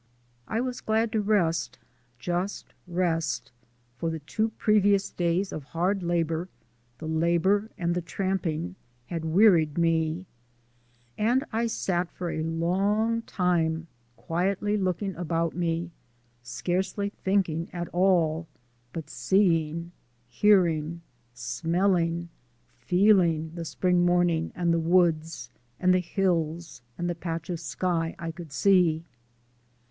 I was glad to rest, just rest, for the two previous days of hard labour, the labour and the tramping, had wearied me, and I sat for a long time quietly looking about me, scarcely thinking at all, but seeing, hearing, smelling feeling the spring morning, and the woods and the hills, and the patch of sky I could see.